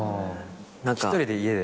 １人で家で。